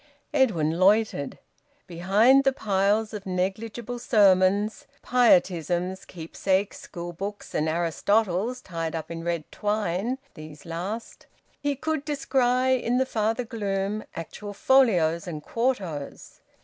Edwin loitered. Behind the piles of negligible sermons, pietisms, keepsakes, schoolbooks, and `Aristotles' (tied up in red twine, these last), he could descry, in the farther gloom, actual folios and quartos.